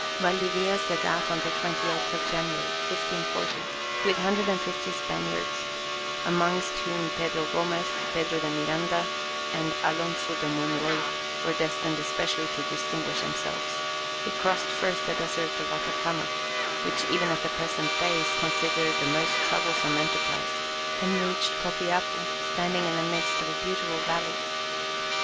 Valdivia set out on the 28th of January, 1540, with 150 Spaniards, amongst whom Pedro Gomez, Pedro de Miranda, and Alonzo de Monroy were destined especially to distinguish themselves; he crossed first the desert of Atacama, which even at the present day is considered a most troublesome enterprise, and reached Copiapo, standing in the midst of a beautiful valley.